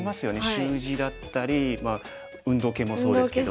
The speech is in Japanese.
習字だったり運動系もそうですけど。